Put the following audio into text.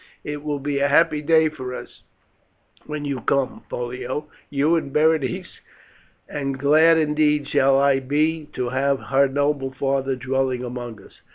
"It will be a happy day for us when you come, Pollio, you and Berenice; and glad indeed shall I be to have her noble father dwelling among us.